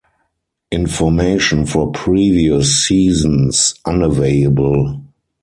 Information for previous seasons unavailable.